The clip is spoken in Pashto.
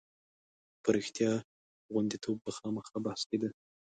په رښتیا غوندېتوب به خامخا بحث کېده.